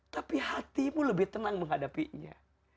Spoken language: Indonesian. tapi hatimu lebih tenang menghadapinya